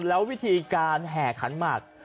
แล้ววิธีการแห่ขันหมาก